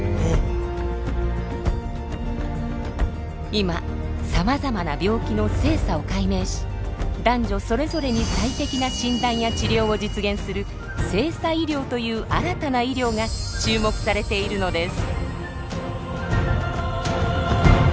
今さまざまな病気の性差を解明し男女それぞれに最適な診断や治療を実現する性差医療という新たな医療が注目されているのです。